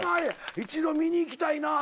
一度見に行きたいなぁ。